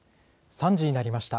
３時になりました。